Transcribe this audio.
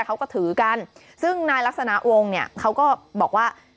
เขาก็ถือกันซึ่งนายลักษณะวงเนี่ยเขาก็บอกว่า